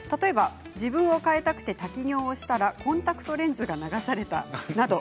自分を変えたくて滝行をしたらコンタクトレンズが流されたなど。